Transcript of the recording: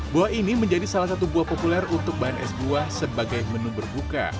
buah ini menjadi salah satu buah populer untuk bahan es buah sebagai menu berbuka